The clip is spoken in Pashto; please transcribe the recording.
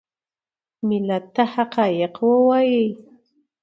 ملت ته حقایق ووایي .